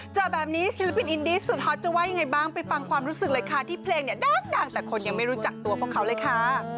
เจอแบบนี้ศิลปินอินดีสุดฮอตจะว่ายังไงบ้างไปฟังความรู้สึกเลยค่ะที่เพลงเนี่ยดังแต่คนยังไม่รู้จักตัวพวกเขาเลยค่ะ